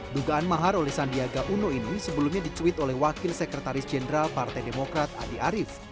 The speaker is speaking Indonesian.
dugaan mahar oleh sandiaga uno ini sebelumnya dicuit oleh wakil sekretaris jenderal partai demokrat andi arief